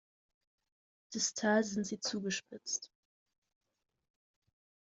Distal sind sie zugespitzt.